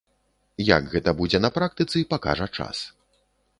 Як гэта будзе на практыцы, пакажа час.